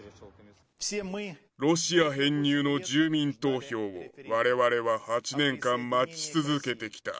ロシア編入の住民投票を、われわれは８年間待ち続けてきた。